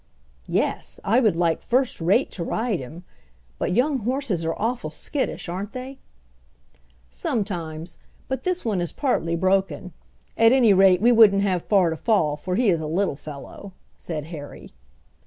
"Yes, I would like first rate to ride him, but young horses are awful skittish, aren't they?" "Sometimes, but this one is partly broken. At any rate, we wouldn't have far to fall, for he is a little fellow," said Harry.